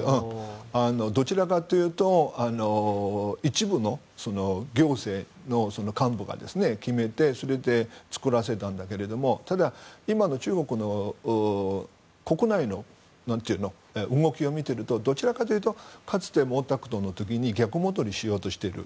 どちらかというと一部の行政の幹部が決めてそれで作らせたんだけどもただ、今の中国の国内の動きを見ているとどちらかというとかつての毛沢東の時に逆戻りしようとしている。